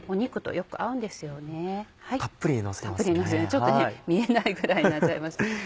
ちょっと見えないぐらいになっちゃいました。